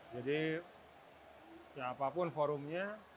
jadi siapapun forumnya